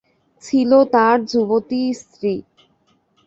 ছিল তার যুবতী স্ত্রী।